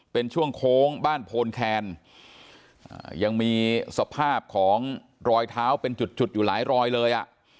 เป็นช่วงโค้งบ้านโพนแคนยังมีสภาพของรอยเท้าเป็นจุดจุดอยู่หลายรอยเลยอ่ะ